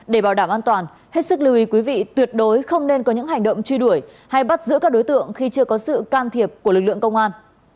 để bảo đảm an toàn hết sức lưu ý quý vị tuyệt đối không nên có những hành động truy đuổi hay bắt giữ các đối tượng khi chưa có sự can thiệp của lực lượng công an